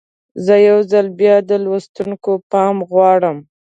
زه یو ځل بیا د لوستونکو پام غواړم.